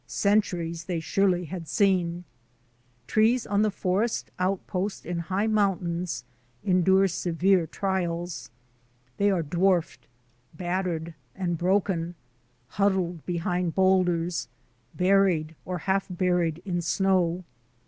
Centuries they surely had seen. Trees on the forest outpost in high mountains endure severe trials. They are dwarfed, battered, and broken; huddled behind boulders, buried, or half buried in snow.